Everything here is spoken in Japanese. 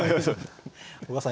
小川さん